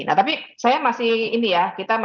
nah tapi saya masih ini ya